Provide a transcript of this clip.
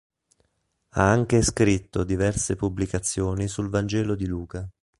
Ha anche scritto diverse pubblicazioni sul Vangelo di Luca.